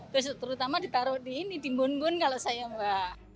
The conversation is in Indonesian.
terus terutama ditaruh di ini di monmun kalau saya mbak